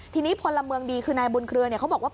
ทีนี้พลเมืองดีคือนายบุญเครือเขาบอกว่า